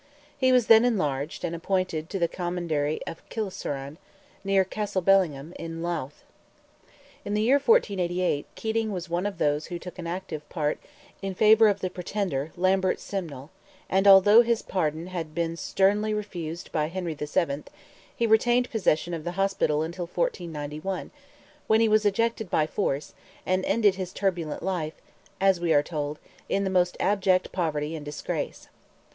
He was then enlarged, and appointed to the commandery of Kilseran, near Castlebellingham, in Louth. In the year 1488, Keating was one of those who took an active part in favour of the pretender Lambert Simnel, and although his pardon had been sternly refused by Henry VII., he retained possession of the Hospital until 1491, when he was ejected by force, "and ended his turbulent life," as we are told, "in the most abject poverty and disgrace."